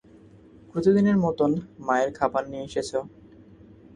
প্রতিদিনের মতন মায়ের খাবার নিয়ে এসেছ!